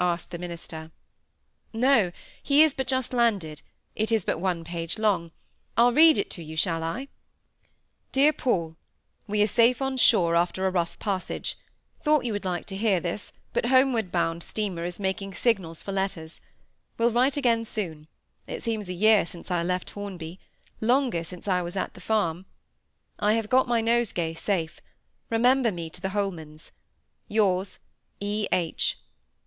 asked the minister. "No! he is but just landed; it is but one page long. I'll read it to you, shall I?— "'Dear Paul,—We are safe on shore, after a rough passage. Thought you would like to hear this, but homeward bound steamer is making signals for letters. Will write again soon. It seems a year since I left Hornby. Longer since I was at the farm. I have got my nosegay safe. Remember me to the Holmans.—Yours, E. H.